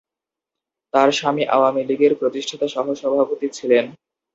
তার স্বামী আওয়ামী লীগের প্রতিষ্ঠাতা সহসভাপতি ছিলেন।